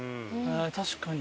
確かに。